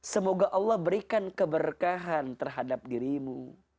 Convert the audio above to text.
semoga allah berikan keberkahan terhadap dirimu